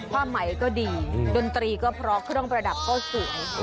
ความหมายก็ดีดนตรีก็เพราะเครื่องประดับก็สวย